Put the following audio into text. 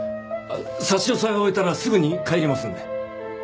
差し押さえを終えたらすぐに帰りますので。